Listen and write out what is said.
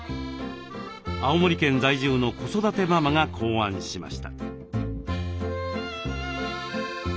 青森県在住の子育てママが考案しました。